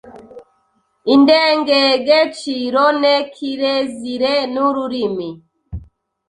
indengegeciro ne kirezire n’ururimi